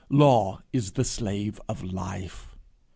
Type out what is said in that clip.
Law is the slave of Life.